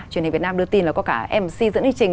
truyền hình việt nam đưa tin là có cả mc dẫn đi trình